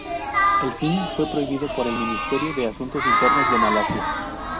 El film fue prohibido por el Ministerio de Asuntos Internos de Malasia.